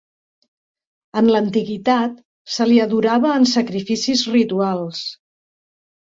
En l'antiguitat se li adorava en sacrificis rituals.